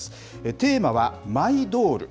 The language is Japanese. テーマはマイドール。